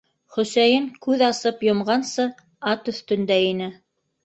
- Хөсәйен күҙ асып йомғансы ат өҫтөндә ине.